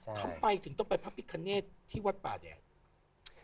ทำไปถึงต้องไปพระพิการเนธที่วัดป่าแดนที่เชียงใหม่